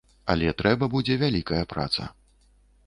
Але трэба будзе вялікая праца.